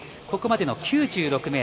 ここまでの９６ｍ。